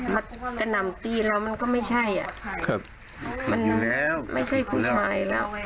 มากระหน่ำตีเรามันก็ไม่ใช่อ่ะครับมันอยู่แล้วไม่ใช่ผู้ชายแล้ว